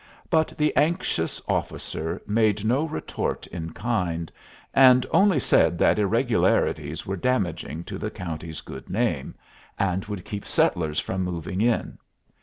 But the anxious officer made no retort in kind, and only said that irregularities were damaging to the county's good name, and would keep settlers from moving in.